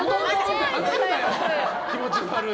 気持ち悪い。